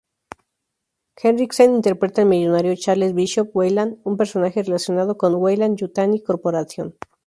Henriksen interpreta al millonario Charles Bishop Weyland, un personaje relacionado con Weyland-Yutani Corporation.